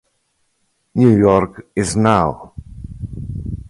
New York Is Now!